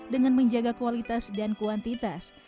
dengan menjaga kualitas dan kuantitas